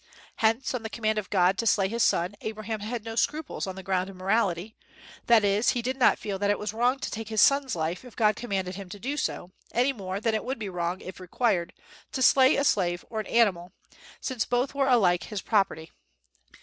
Hence, on the command of God to slay his son, Abraham had no scruples on the ground of morality; that is, he did not feel that it was wrong to take his son's life if God commanded him to do so, any more than it would be wrong, if required, to slay a slave or an animal, since both were alike his property.